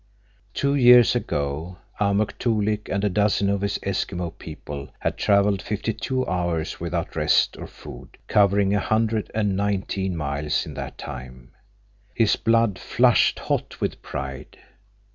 Two years ago Amuk Toolik and a dozen of his Eskimo people had traveled fifty two hours without rest or food, covering a hundred and nineteen miles in that time. His blood flushed hot with pride.